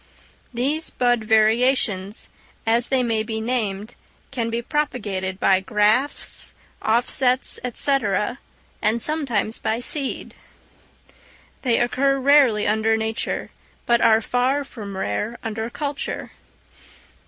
These bud variations, as they may be named, can be propagated by grafts, offsets, &c., and sometimes by seed. They occur rarely under nature, but are far from rare under culture.